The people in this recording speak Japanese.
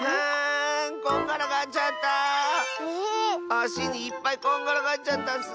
あしにいっぱいこんがらがっちゃったッス！